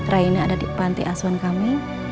raina ada di panti asuhan kami